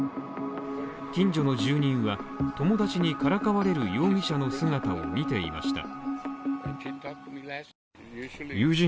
近所の住人は友達にからかわれる容疑者の姿を見ていました。